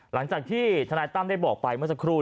หลังจากที่ทนายตั้มได้บอกไปเมื่อสักครู่